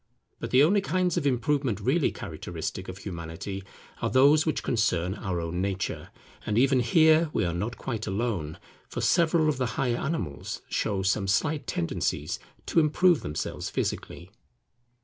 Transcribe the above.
But the only kinds of improvement really characteristic of Humanity are those which concern our own nature; and even here we are not quite alone; for several of the higher animals show some slight tendencies to improve themselves physically.